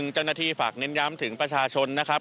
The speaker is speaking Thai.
เจ้าหน้าที่ฝากเน้นย้ำถึงประชาชนนะครับ